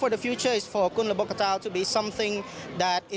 เพราะเราต้องจัดกะได้